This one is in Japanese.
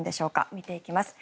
見ていきます。